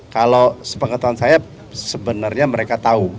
kalau sepengetahuan saya sebenarnya mereka tahu